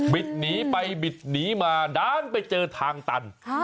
หนีไปบิดหนีมาด้านไปเจอทางตัน